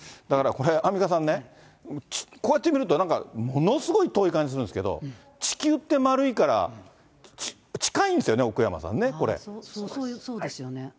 だからこれ、アンミカさんね、こうやって見ると、ものすごい遠い感じするんですけど、地球って丸いから、近いんですよね、奥山さんね、そうですよね。